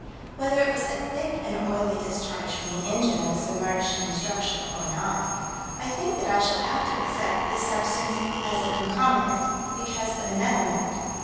Whether it was a thick and oily discharge from the engine of a submerged construction or not, I think that I shall have to accept this substance as a concomitant, because of another note.